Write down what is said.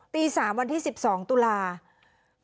ตี๓วันที่๑๒ตุลาคม